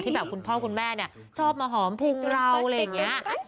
แบบคุณพ่อคุณแม่เนี่ยชอบมาหอมพุงเราอะไรอย่างนี้